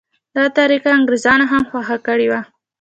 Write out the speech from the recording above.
دا طریقه انګریزانو هم خوښه کړې وه.